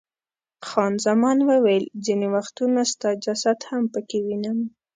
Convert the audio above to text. خان زمان وویل، ځیني وختونه ستا جسد هم پکې وینم.